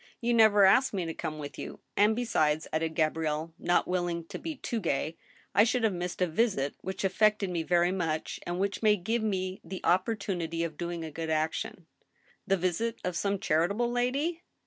" You never asked me to come with you, and, besides," added Gabrielle, not willing to be too gay, " I should have missed a visit which affected me very much, and which may give me the oppor tunity of doing a good action." " The visit of some charitable lady